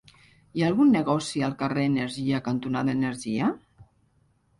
Hi ha algun negoci al carrer Energia cantonada Energia?